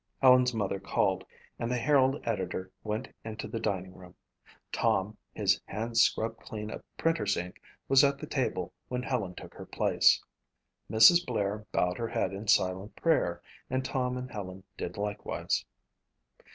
Helen's mother called and the Herald editor went into the dining room. Tom, his hands scrubbed clean of printer's ink, was at the table when Helen took her place. Mrs. Blair bowed her head in silent prayer and Tom and Helen did likewise.